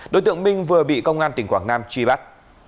đối tượng minh vừa bị công an tỉnh quảng nam truy bắt